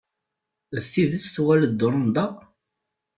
D tidet tuɣal-d Dorenda?